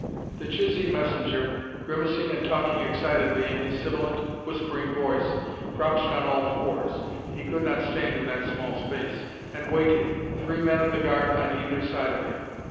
The Chisee messenger, grimacing and talking excitedly in his sibilant, whispering voice, crouched on all fours (he could not stand in that small space) and waited, three men of the guard on either side of him.